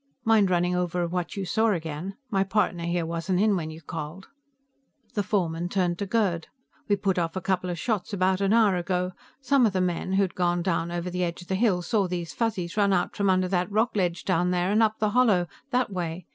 "Mind running over what you saw again? My partner here wasn't in when you called." The foreman turned to Gerd. "We put off a couple of shots about an hour ago. Some of the men, who'd gone down over the edge of the hill, saw these Fuzzies run out from under that rock ledge down there, and up the hollow, that way."